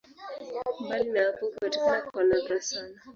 Mbali na hapo hupatikana kwa nadra sana.